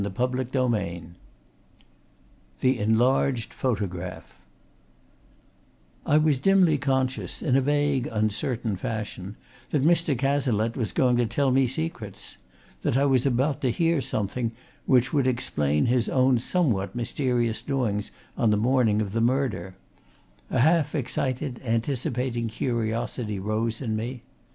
CHAPTER IX THE ENLARGED PHOTOGRAPH I was dimly conscious, in a vague, uncertain fashion, that Mr. Cazalette was going to tell me secrets; that I was about to hear something which would explain his own somewhat mysterious doings on the morning of the murder; a half excited, anticipating curiosity rose in me.